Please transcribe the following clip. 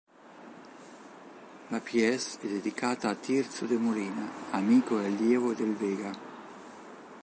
La pièce è dedicata a Tirso de Molina amico e allievo del Vega.